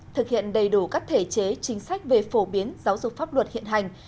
thực hiện đầy đủ các thể chế chính sách về phổ biến giáo dục pháp luật hiện hành